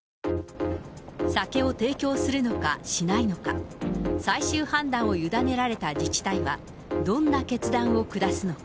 酒を提供するのかしないのか、最終判断を委ねられた自治体は、どんな決断を下すのか。